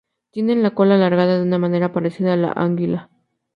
Tienen la cola alargada de una manera parecida a la anguila.